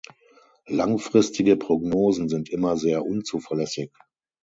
Langfristige Prognosen sind immer sehr unzuverlässig.